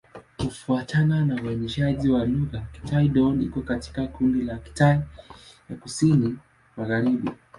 Kufuatana na uainishaji wa lugha, Kitai-Dón iko katika kundi la Kitai ya Kusini-Magharibi.